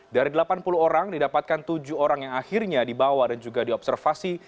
dari delapan puluh orang didapatkan tujuh orang yang akhirnya dibawa dan juga diobservasi